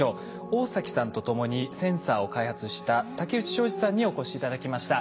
大崎さんと共にセンサーを開発した竹内昌治さんにお越し頂きました。